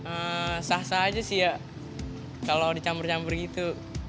eh sah sah aja sih ya kalau dicampur campur gitu